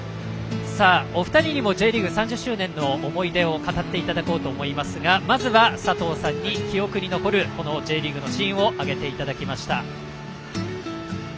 お二人にもＪリーグ３０周年の思い出を語っていただこうと思いますがまずは佐藤さんに記憶に残るＪリーグのシーンを挙げていただきました。